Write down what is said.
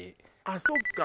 あっそっか。